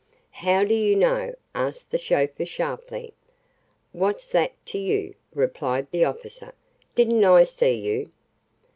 "How do you know?" asked the chauffeur sharply. "What's that to you?" replied the officer. "Didn't I see you?"